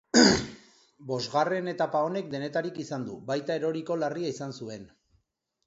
Bosgarren etapa honek denetarik izan du, baita eroriko larria izan zuen.